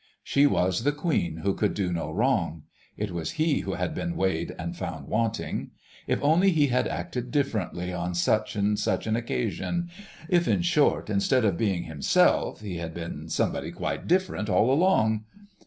She was the Queen who could do no wrong. It was he who had been weighed and found wanting. If only he had acted differently on such and such an occasion. If, in short, instead of being himself he had been somebody quite different all along....